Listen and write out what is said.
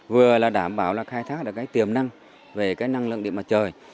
vừa là đảm bảo là khai thác được cái tiềm năng về cái năng lượng điện mặt trời